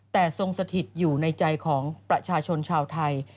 แต่ทรงสถิตอยู่ในใจของประชาชนชาวไทย